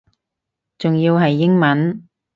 仲要係英文